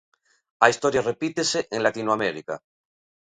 A historia repítese en Latinoamérica.